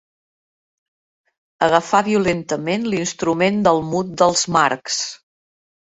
Agafar violentament l'instrument del mut dels Marx.